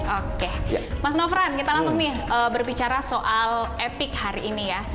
oke mas nofran kita langsung nih berbicara soal epic hari ini ya